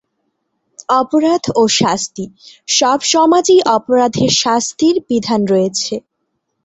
অপরাধ ও শাস্তি সব সমাজেই অপরাধের শাস্তির বিধান রয়েছে।